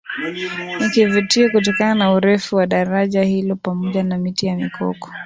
Ni kivutio kutokana na urefu wa daraja hilo pamoja na Miti ya Mikoko